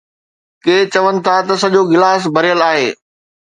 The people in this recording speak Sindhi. ڪي چون ٿا ته سڄو گلاس ڀريل آهي.